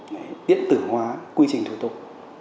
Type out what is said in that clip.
đấy điện tử hóa quy trình thủ tục